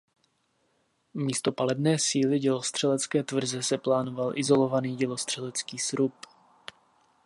Místo palebné síly dělostřelecké tvrze se plánoval izolovaný dělostřelecký srub.